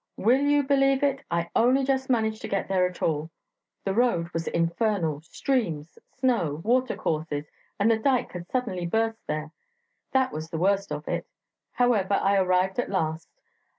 Will you believe it? I only just managed to get there at all. The road was infernal: streams, snow, watercourses, and the dyke had suddenly burst there that was the worst of it! However, I arrived at last.